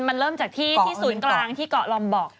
มันเริ่มจากที่ศูนย์กลางที่เกาะลอมบอก